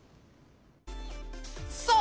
そう！